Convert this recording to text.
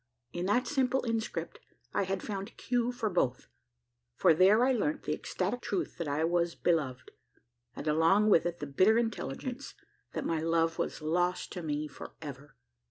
In that simple inscript I had found cue for both: for there I learnt the ecstatic truth that I was beloved, and along with it the bitter intelligence, that my love was lost to me for ever!